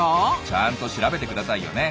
ちゃんと調べてくださいよね。